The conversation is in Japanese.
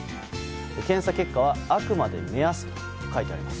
検査結果はあくまで目安と書いてあります。